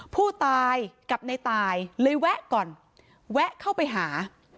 ผู้ตายกับในตายเลยแวะก่อนแวะเข้าไปหา